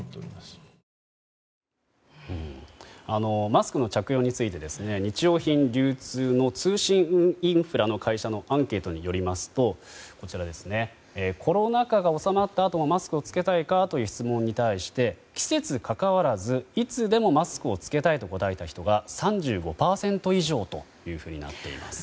マスクの着用について日用品流通の通信インフラの会社のアンケートによりますとコロナ禍が収まったあともマスクを着けたいかという質問に対して季節変わらずいつでもマスクを着けたいと答えた人が３５％以上というふうになっています。